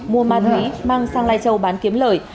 mua ma túy mang sang lai châu bán kiếm lời